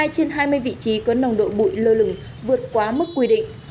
một mươi hai trên hai mươi vị trí có nồng độ bụi lơ lửng vượt quá mức quy định